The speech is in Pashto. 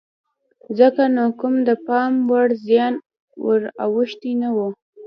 ځکه نو کوم د پام وړ زیان ور اوښتی نه و.